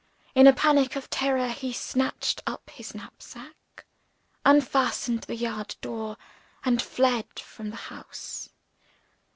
In a panic of terror, he snatched up his knapsack, unfastened the yard door, and fled from the house.